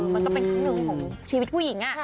มันก็เป็นครั้งหนึ่งของชีวิตผู้หญิง